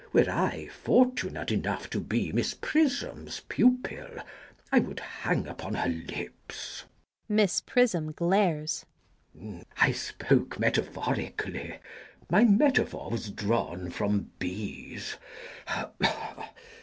Were I fortunate enough to be Miss Prism's pupil, I would hang upon her lips. [Miss Prism glares.] I spoke metaphorically.—My metaphor was drawn from bees.